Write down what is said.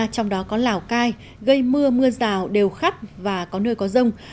trong đó có lào cai gây mưa mưa rào đều khắp và có nơi có rông